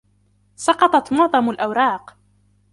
سقطت معظم الأوراق.